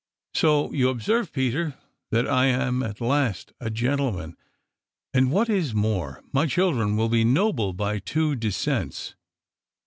So you observe, Peter, that I am at last a gentleman, and, what is more, my children will be noble by two descents.